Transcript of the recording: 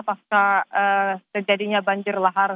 pasca sejadinya banjir lar hujan